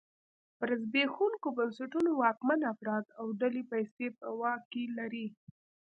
پر زبېښونکو بنسټونو واکمن افراد او ډلې پیسې په واک کې لري.